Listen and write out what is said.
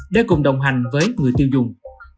để cùng đồng hành với người tiêu dùng